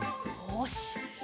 よし。